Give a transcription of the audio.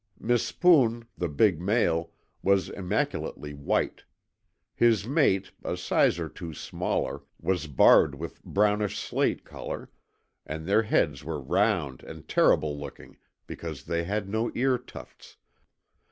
Mispoon, the big male, was immaculately white. His mate, a size or two smaller, was barred with brownish slate colour and their heads were round and terrible looking because they had no ear tufts.